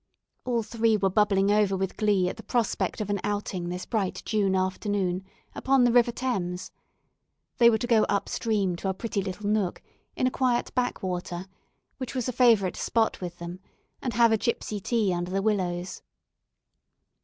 All three were bubbling over with glee at the prospect of an outing this bright June afternoon upon the river Thames. They were to go up stream to a pretty little nook, in a quiet "backwater," which was a favourite spot with them, and have a "gipsy" tea under the willows.